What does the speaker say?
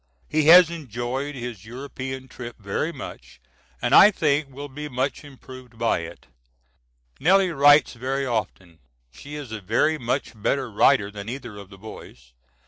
He has enjoyed his European trip very much and I think will be much improved by it. Nellie writes very often; she is a very much better writer than either of the boys.